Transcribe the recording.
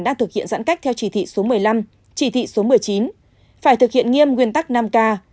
đang thực hiện giãn cách theo chỉ thị số một mươi năm chỉ thị số một mươi chín phải thực hiện nghiêm nguyên tắc năm k